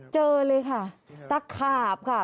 เจอเลยค่ะตะขาบค่ะ